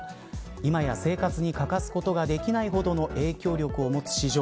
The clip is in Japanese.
今や生活に欠かすことができないほどの影響力を持つ市場